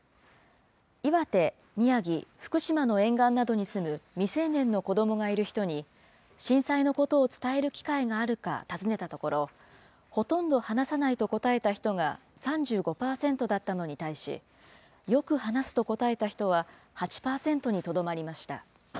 岩手、宮城、福島の沿岸などに住む未成年の子どもがいる人に、震災のことを伝える機会があるか尋ねたところ、ほとんど話さないと答えた人が３５％だったのに対し、よく話すと答えた人は８％にとどまりました。